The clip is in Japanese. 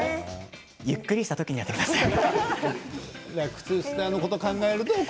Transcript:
ゆっくりした時にやってください。